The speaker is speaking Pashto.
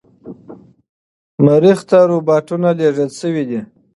مریخ ته روباتونه لیږل شوي دي.